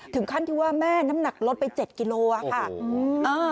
ถึงขั้นที่ว่าแม่น้ำหนักลดไป๗กิโลค่ะ